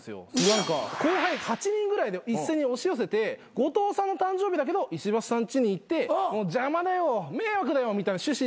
後輩８人ぐらいで一斉に押し寄せて後藤さんの誕生日だけど石橋さんちに行って邪魔だよ迷惑だよみたいな趣旨でやろうみたいな。